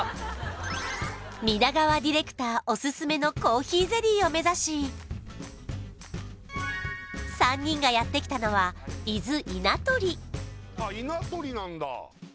源川ディレクターオススメのコーヒーゼリーを目指し３人がやってきたのは伊豆稲取